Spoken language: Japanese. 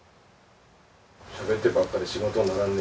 しゃべってばっかで仕事にならんね。